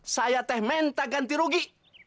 saya teh mentah ganti rugi